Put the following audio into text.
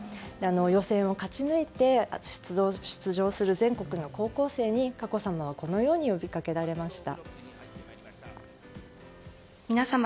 予選を勝ち抜いて出場する全国の高校生に佳子さまはこのように呼びかけられました。